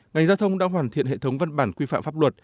ngành giao thông đã hoàn thiện hệ thống văn bản quy phạm pháp luật